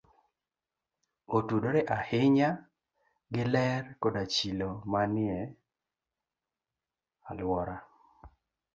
Otudore ahinya gi ler koda chilo manie alwora.